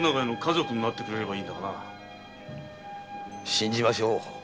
信じましょう。